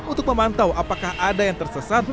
untuk memantau apakah ada yang tersesat